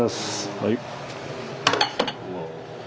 はい。